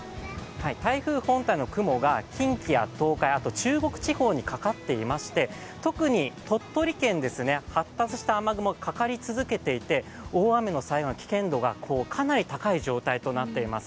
台風本体の雲が近畿や東海、あと中国地方にかかっていまして、特に鳥取県ですね発達した雨雲がかかり続けていて大雨の際の危険度がかなり高い状態となっています。